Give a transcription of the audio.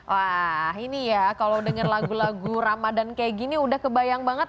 wah ini ya kalau denger lagu lagu ramadan kayak gini udah kebayang banget